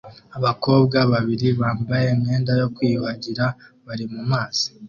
Abakobwa babiri bambaye imyenda yo kwiyuhagira bari mumazi